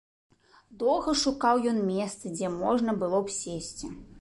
Доўга шукаў ён месца, дзе можна было б сесці.